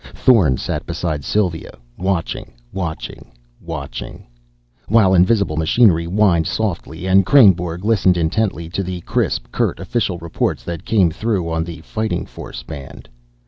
Thorn sat beside Sylva, watching, watching, watching, while invisible machinery whined softly and Kreynborg listened intently to the crisp, curt official reports that came through on the Fighting Force band.